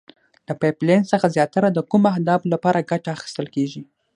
له پایپ لین څخه زیاتره د کومو اهدافو لپاره ګټه اخیستل کیږي؟